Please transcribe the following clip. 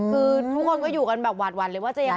คือทุกคนนก็อยู่กันแบบหวานว่าจะยังไง